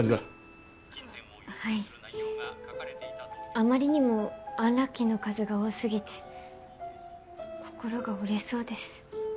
あまりにもアンラッキーの数が多すぎて心が折れそうです。